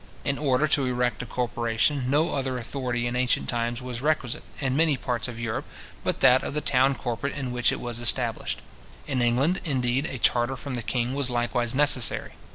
In order to erect a corporation, no other authority in ancient times was requisite, in many parts of Europe, but that of the town corporate in which it was established. In England, indeed, a charter from the king was likewise necessary.